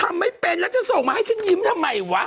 ไม่เป็นแล้วจะส่งมาให้ฉันยิ้มทำไมวะ